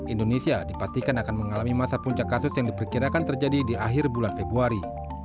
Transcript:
indonesia dipastikan akan mengalami masa puncak kasus yang diperkirakan terjadi di akhir bulan februari